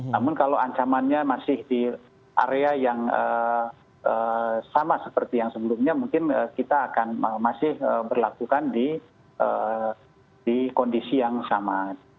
namun kalau ancamannya masih di area yang sama seperti yang sebelumnya mungkin kita akan masih berlakukan di kondisi yang sama